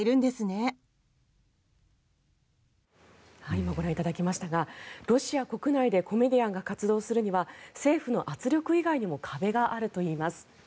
今ご覧いただきましたがロシア国内でコメディアンが活動するには政府の圧力以外にも壁があるといいます。